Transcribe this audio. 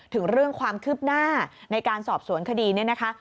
ถึงเรื่องความคืบหน้าในการสอบสวนคดีนี้นะคะ